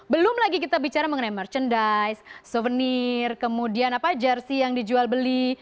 belum lagi kita bicara mengenai merchandise souvenir kemudian jersi yang dijual beli